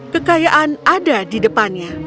kekayaan ada di depannya